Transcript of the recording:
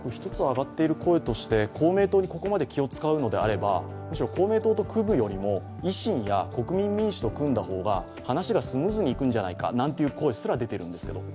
公明党にここまで気を遣うのであれば公明党と組むよりも維新や、国民民主と組んだ方が話がスムーズにいくんじゃないかという声すら出ているんですけど。